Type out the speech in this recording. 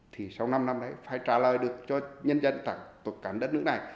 thì sau năm năm đấy phải trả lời được cho nhân dân tổ chức cả đất nước này